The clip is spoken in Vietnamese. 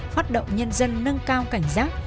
phát động nhân dân nâng cao cảnh giác